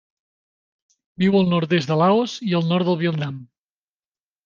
Viu al nord-est de Laos i el nord del Vietnam.